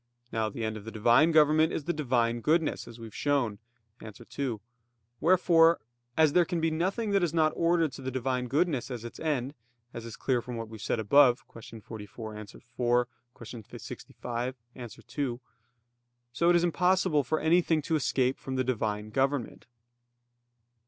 Now the end of the Divine government is the Divine goodness; as we have shown (A. 2). Wherefore, as there can be nothing that is not ordered to the Divine goodness as its end, as is clear from what we have said above (Q. 44, A. 4; Q. 65, A. 2), so it is impossible for anything to escape from the Divine government.